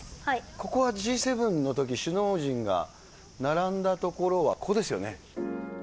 ここがＧ７のとき、首脳陣が並んだ所は、ここですよね。